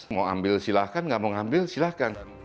mau ambil silahkan nggak mau ambil silahkan